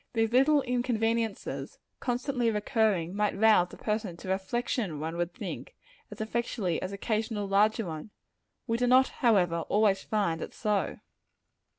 These little inconveniences, constantly recurring, might rouse a person to reflection, one would think, as effectually as occasional larger ones. We do not, however, always find it so.